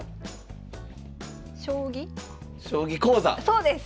そうです！